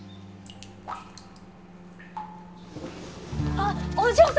あっお嬢様！